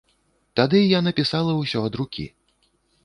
Тады я напісала ўсё ад рукі.